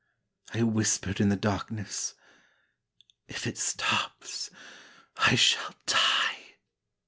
I whispered in the darkness, "If it stops, I shall die."